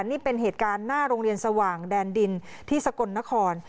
นี่เป็นเหตุการณ์หน้าโรงเรียนสว่างแดนดินที่สกลนคร